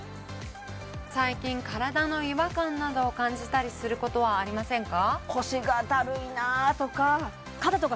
最近体の違和感などを感じたりすることはありませんか？